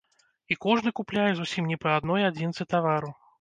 І кожны купляе зусім не па адной адзінцы тавару.